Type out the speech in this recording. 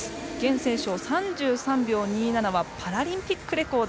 阮靖淞３３秒２７はパラリンピックレコード。